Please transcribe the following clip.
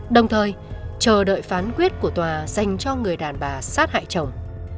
đồng thời chờ đợi phán quyết của tòa dành cho người đàn bà sát hại chồng